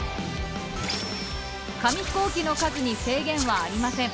紙ヒコーキの数に制限はありません。